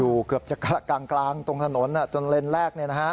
อยู่เกือบจะกลางตรงถนนตัวเลนส์แรก